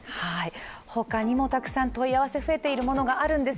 他にもたくさん問い合わせ増えているものがあるんです。